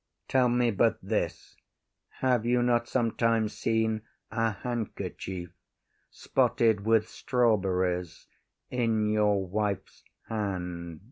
Tell me but this, Have you not sometimes seen a handkerchief Spotted with strawberries in your wife’s hand?